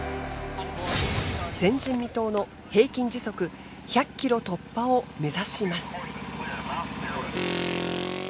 前人未到の平均時速１００ｋｍ突破を目指します。